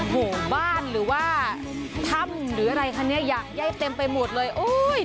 หมู่บ้านหรือว่าถ้ำหรืออะไรคะเนี่ยอยากได้เต็มไปหมดเลยโอ้ย